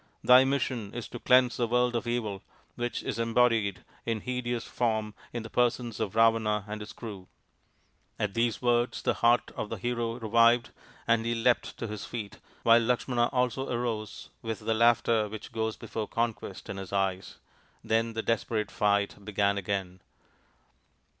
Thy mission is to cleanse the world of evil, which is embodied in hideous form in the persons of Ravana and his crew." At these words the heart of the hero revived, and he leapt to his feet, while Lakshmana also arose with the laughter which goes before conquest in his eyes. Then the desperate fight began again.